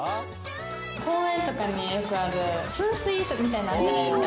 公園とかによくある噴水みたいなの、あるじゃないですか。